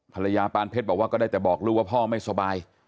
ปานเพชรบอกว่าก็ได้แต่บอกลูกว่าพ่อไม่สบาย